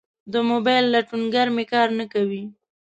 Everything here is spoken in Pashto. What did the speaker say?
د موبایل لټونګر می کار نه کوي